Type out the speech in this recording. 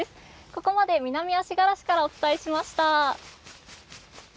ここまで南足柄市からお伝えしました。